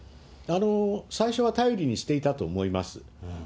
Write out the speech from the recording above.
最初は頼りにしていたと思います。